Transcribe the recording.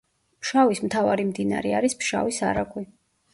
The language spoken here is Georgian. ფშავის მთავარი მდინარე არის ფშავის არაგვი.